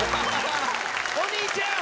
お兄ちゃーん！